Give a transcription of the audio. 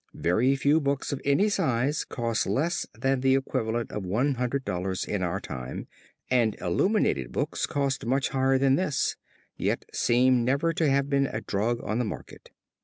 Very few books of any size cost less than the equivalent of $100 in our time and illuminated books cost much higher than this, yet seem never to have been a drug on the market.